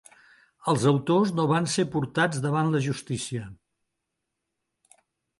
Els autors no van ser portats davant la justícia.